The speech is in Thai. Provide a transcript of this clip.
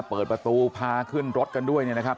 เปิดประตูพาขึ้นรถกันด้วยเนี่ยนะครับ